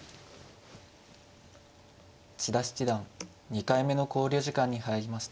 千田七段２回目の考慮時間に入りました。